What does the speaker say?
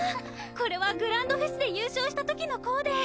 これはグランドフェスで優勝したときのコーデ！